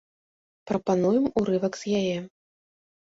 Прапануем урывак з яе.